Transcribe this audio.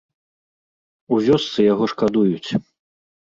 У вёсцы яго шкадуюць.